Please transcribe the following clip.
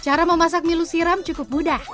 cara memasak milu siram cukup mudah